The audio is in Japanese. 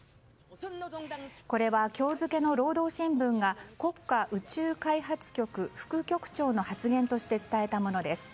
これは今日付の労働新聞が国家宇宙開発局副局長の発言として伝えたものです。